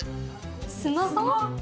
スマホ？